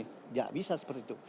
tidak bisa seperti itu